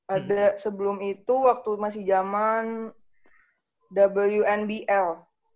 ada sebelum itu waktu masih zaman wndbl